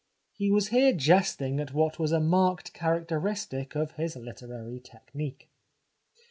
He was here jesting at what was a marked characteristic of his literary technique.